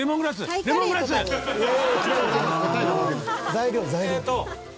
材料材料。